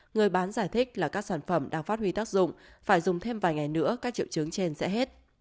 người bán giải thích là các sản phẩm đang phát huy tác dụng phải dùng thêm vài ngày nữa các triệu chứng trên sẽ hết